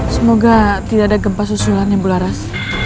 semoga tidak ada gempa susulannya bu laras